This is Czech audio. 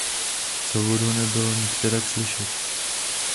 Svobodu nebylo nikterak slyšet.